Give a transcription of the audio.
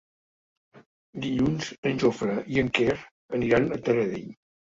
Dilluns en Jofre i en Quer aniran a Taradell.